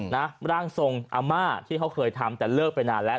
ร่างทรงอาม่าที่เขาเคยทำแต่เลิกไปนานแล้ว